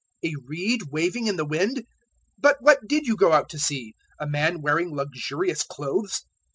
A reed waving in the wind? 007:025 But what did you go out to see? A man wearing luxurious clothes?